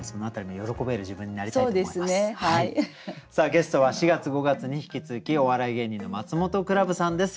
ゲストは４月５月に引き続きお笑い芸人のマツモトクラブさんです。